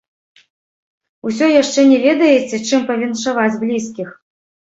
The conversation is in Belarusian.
Усё яшчэ не ведаеце, чым павіншаваць блізкіх?